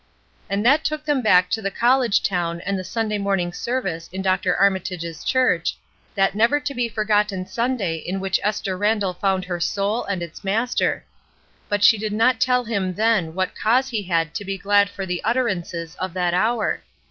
And that took them back to the college town and the Sunday morning service in Dr. Armi tage's church, that never to be forgotten Sunday "THE SAME PERSON'' 407 in which Esther Randall found her soul and its Master. But she did not tell him then what cause he had to be glad for the utterances of that hour.